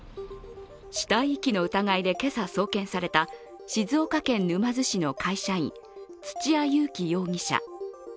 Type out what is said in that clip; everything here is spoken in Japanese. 死体遺棄の疑いで今朝送検された静岡県沼津市の会社員土屋勇貴容疑者。